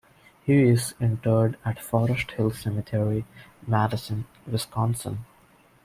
He is interred at Forest Hill Cemetery, Madison, Wisconsin.